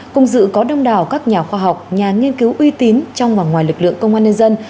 cùng dự có đông đảo các nhà khoa học nhà nghiên cứu uy tín trong và ngoài lực lượng công an nhân dân